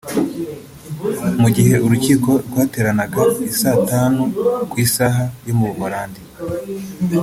Mu gihe urukiko rwateranaga i saa tanu ku isaha yo mu Buhorandi